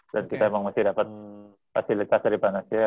dan kita emang masih dapat fasilitas dari panasia